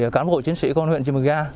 cán bộ chiến sĩ công an huyện chumaga